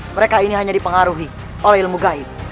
mereka ini hanya dipengaruhi oleh ilmu gaib